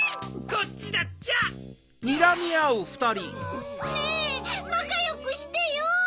ん！ねぇなかよくしてよ。